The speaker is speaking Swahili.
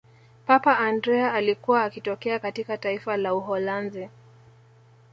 papa andrea alikuwa akitokea katika taifa la uholanzi